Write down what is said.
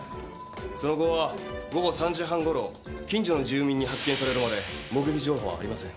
その後は午後３時半頃近所の住民に発見されるまで目撃情報はありません。